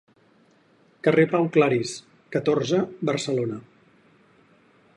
Carrer Pau Claris, catorze Barcelona.